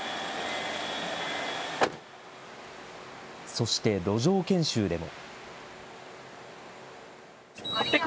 そして路上研修でも。